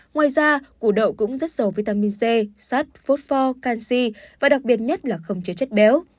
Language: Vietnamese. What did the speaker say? ngoài ra củ đậu cũng rất giàu vitamin c sắt pho canxi và đặc biệt nhất là không chế chất béo